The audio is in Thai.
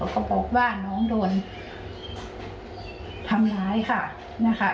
ก็บอกว่าน้องโดนทำร้ายค่ะนะคะ